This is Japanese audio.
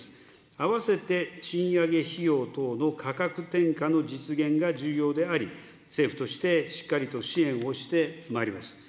あわせて、賃上げ費用等の価格転嫁の実現が重要であり、政府としてしっかりと支援をしてまいります。